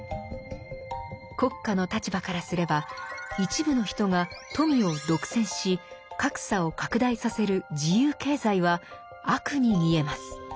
国家の立場からすれば一部の人が富を独占し格差を拡大させる自由経済は「悪」に見えます。